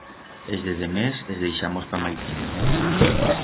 Es de demés es deixamos pa maitín.